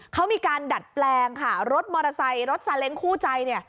เขามีการดัดแปลงค่ะรถมอเตอร์ไซค์รถซาเล้งคู่ใจเนี่ย